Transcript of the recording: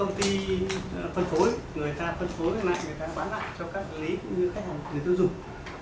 công ty phân phối người ta phân phối ra lại người ta bán lại cho các lý các khách hàng để tiêu dụng